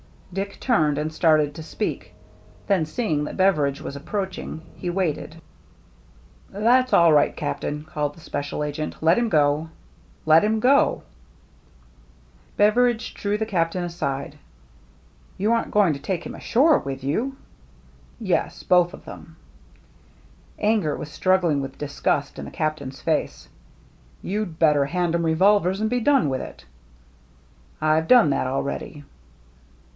Dick turned, and started to speak; then, seeing that Beveridge was approaching, he waited. " That's all right. Captain," called the special agent ;" let him go." " Let him go !" Beveridge drew the Captain aside. 262 THE MERRT ANNE " You aren't going to take him ashore with you?" "Yes, both of 'em." Anger was struggling with disgust in the Captain's face. "You'd better hand 'em re volvers and be done with it." " I've done that already."